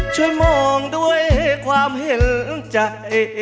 ช่วยมองด้วยความเห็นใจ